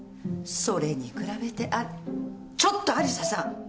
それに比べてあちょっと有沙さん。